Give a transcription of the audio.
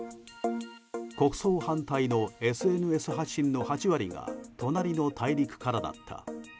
国葬反対のＳＮＳ発信の８割が隣の大陸からだった。